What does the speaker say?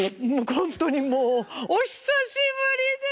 本当にもうお久しぶりです！